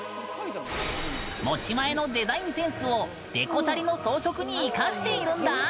持ち前のデザインセンスをデコチャリの装飾に生かしているんだ。